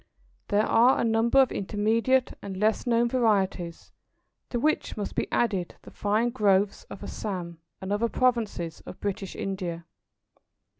There are a number of intermediate and less known varieties, to which must be added the fine growths of Assam and other provinces of British India.